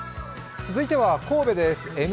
続いては神戸です。